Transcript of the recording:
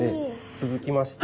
続きまして。